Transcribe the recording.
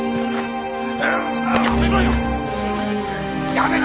やめろよ！